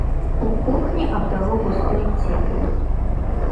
У кухні абдало густой цеплю.